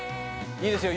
いいですよ